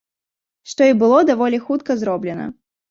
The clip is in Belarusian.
Што і было даволі хутка зроблена.